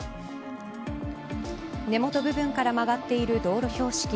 根元部分から曲がっている道路標識。